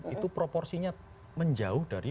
itu proporsinya menjauh dari